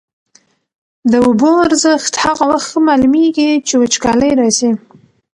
د اوبو ارزښت هغه وخت ښه معلومېږي چي وچکالي راسي.